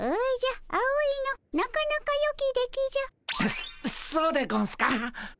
そそうでゴンスか？